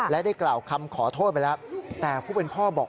และได้กล่าวคำขอโทษไปแล้วแต่ผู้เป็นพ่อบอก